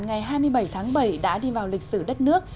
ngày hai mươi bảy tháng bảy đã đi vào lịch sử đất nước